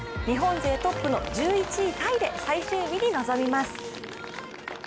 日本勢トップの１１位タイで最終日に臨みます。